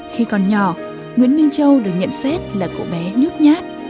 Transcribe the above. khi còn nhỏ nguyễn minh châu được nhận xét là cậu bé nhút nhát